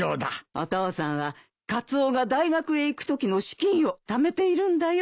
お父さんはカツオが大学へ行くときの資金を貯めているんだよ。